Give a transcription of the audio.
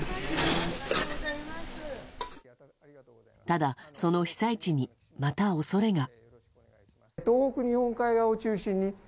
ただ、その被災地にまた恐れが。